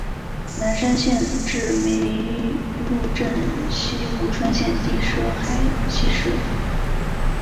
南山县治梅菉镇析吴川县地设梅菉市。